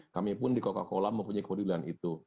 kami pun di coca cola mempunyai kewadilan itu